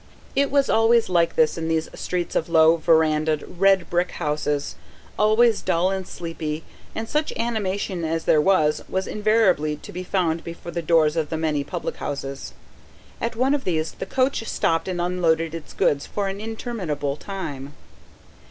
It was always like this in these streets of low, verandahed, red brick houses, always dull and sleepy, and such animation as there was, was invariably to be found before the doors of the many public houses. At one of these the coach stopped and unloaded its goods, for an interminable time.